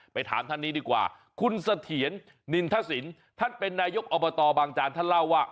ถามท่านนี้ดีกว่าคุณเสถียรนินทศิลป์ท่านเป็นนายกอบตบางจานท่านเล่าว่า